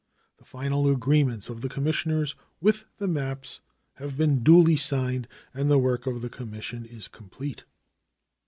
The final agreements of the commissioners, with the maps, have been duly signed, and the work of the commission is complete.